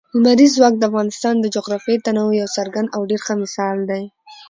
لمریز ځواک د افغانستان د جغرافیوي تنوع یو څرګند او ډېر ښه مثال دی.